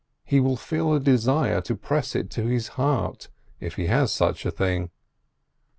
He will feel a desire to press it to his heart, if he has such a thing.